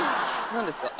何ですか？